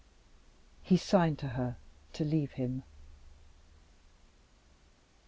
He signed to her to leave him.